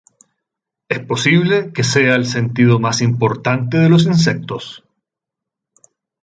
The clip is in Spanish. Es posible que sea el sentido más importante de los insectos.